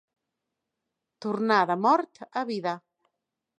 Tornar de mort a vida.